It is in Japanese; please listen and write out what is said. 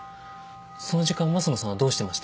その時間益野さんはどうしてました？